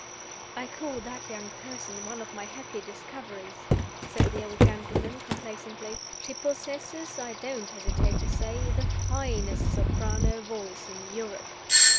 "I call that young person one of my happy discoveries;" said the old gentleman, complacently. "She possesses, I don't hesitate to say, the finest soprano voice in Europe.